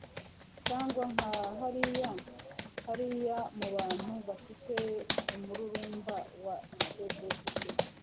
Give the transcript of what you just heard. cyangwa nka hariya hariya mubantu bafite umururumba wa Tudesque